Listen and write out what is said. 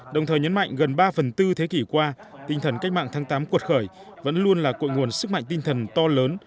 đồng thời nhấn mạnh gần ba phần tư thế kỷ qua tinh thần cách mạng tháng tám cuột khởi vẫn luôn là cội nguồn sức mạnh tinh thần to lớn